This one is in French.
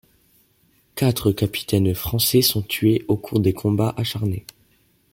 Quatre capitaines français sont tués au cours des combats acharnés.